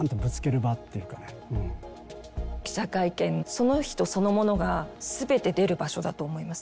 その人そのものが全て出る場所だと思います。